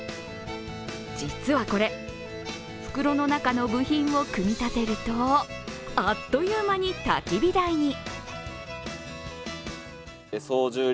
実はこれ、袋の中の部品を組み立てるとあっという間にたき火台に。